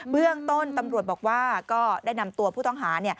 เบื้องต้นตำรวจบอกว่าก็ได้นำตัวผู้ต้องหา